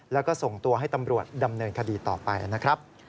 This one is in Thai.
แล้วก็ส่งตัวให้ตำรวจดำเนินคดีต่อไปนะครับ